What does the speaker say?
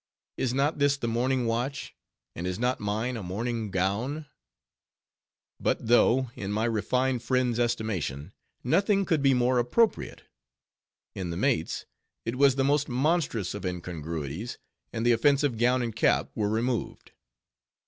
"Is not this the morning watch, and is not mine a morning gown?" But though, in my refined friend's estimation, nothing could be more appropriate; in the mate's, it was the most monstrous of incongruities; and the offensive gown and cap were removed.